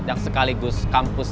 yang sekaligus kampus abc